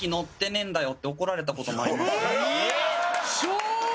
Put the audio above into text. えっ？